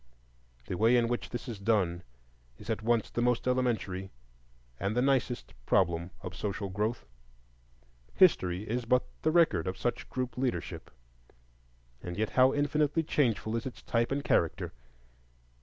The way in which this is done is at once the most elementary and the nicest problem of social growth. History is but the record of such group leadership; and yet how infinitely changeful is its type and character!